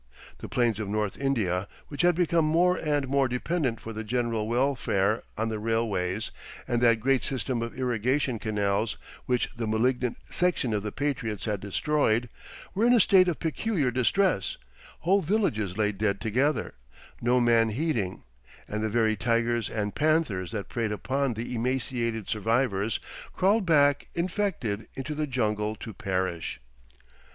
The plains of north India, which had become more and more dependent for the general welfare on the railways and that great system of irrigation canals which the malignant section of the patriots had destroyed, were in a state of peculiar distress, whole villages lay dead together, no man heeding, and the very tigers and panthers that preyed upon the emaciated survivors crawled back infected into the jungle to perish.